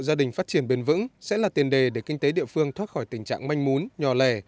gia đình phát triển bền vững sẽ là tiền đề để kinh tế địa phương thoát khỏi tình trạng manh mún nhỏ lẻ